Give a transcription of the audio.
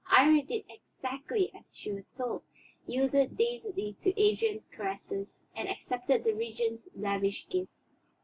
Iría did exactly as she was told; yielded dazedly to Adrian's caresses and accepted the Regent's lavish gifts.